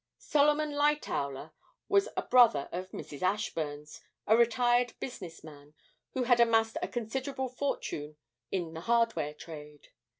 Solomon Lightowler was a brother of Mrs. Ashburn's, a retired business man, who had amassed a considerable fortune in the hardware trade.